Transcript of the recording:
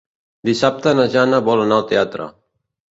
Dissabte na Jana vol anar al teatre.